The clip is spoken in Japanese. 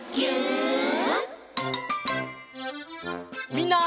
みんな！